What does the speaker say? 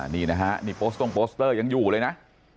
นี่นะฮะนี่โปสต้งโปสเตอร์ยังอยู่เลยนะ